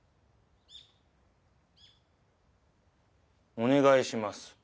お願いします。